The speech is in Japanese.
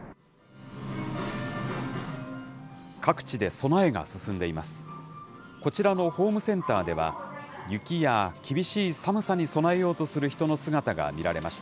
各地で備えが進んでいます。